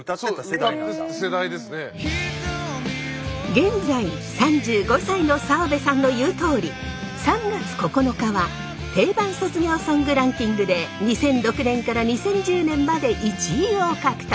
現在３５歳の澤部さんの言うとおり「３月９日」は「定番卒業ソングランキング」で２００６年から２０１０年まで１位を獲得。